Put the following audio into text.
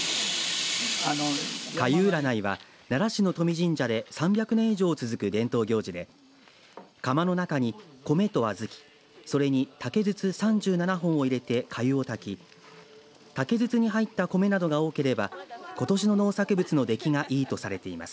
粥占いは、奈良市の登彌神社で３００年以上続く伝統行事で釜の中に米と小豆それに竹筒３７本を入れてかゆを炊き竹筒に入った米などが多ければことしの農作物の出来がいいとされています。